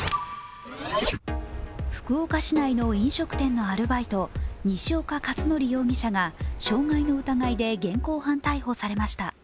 福岡市内の飲食店のアルバイト、西岡且准容疑者が傷害の疑いで現行犯逮捕されました。